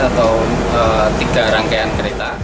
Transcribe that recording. atau tiga rangkaian kereta